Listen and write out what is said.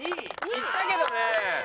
いったけどね。